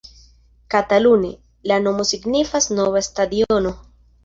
Katalune, la nomo signifas nova stadiono.